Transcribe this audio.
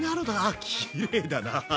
あきれいだな。